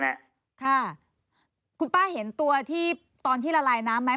ค่ะคุณป้าเห็นตัวที่ตอนที่ละลายน้ำไหม